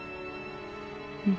うん。